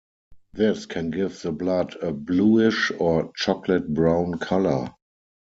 This can give the blood a bluish or chocolate-brown color.